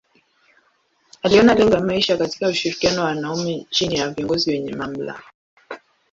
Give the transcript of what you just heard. Aliona lengo ya maisha katika ushirikiano wa wanaume chini ya viongozi wenye mamlaka.